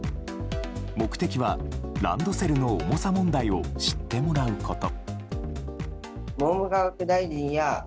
目的はランドセルの重さ問題を知ってもらうこと。